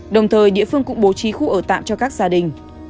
đồng thời địa phương cũng bố trí khu ở tạm cho các gia đình